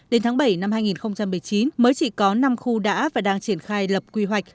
đến tháng bảy năm hai nghìn một mươi chín mới chỉ có năm khu đã và đang triển khai lập quy hoạch